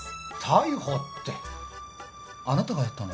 逮捕ってあなたがやったの？